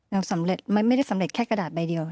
สำเร็จไม่ได้สำเร็จแค่กระดาษใบเดียว